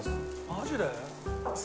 マジで？